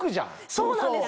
そうなんです。